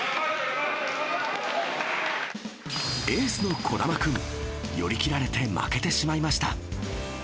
エースの児玉君、寄り切られて負けてしまいました。